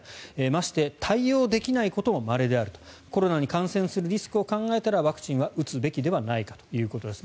まして対応できないこともまれであるとコロナに感染するリスクを考えたらワクチンを打つべきではないかということです。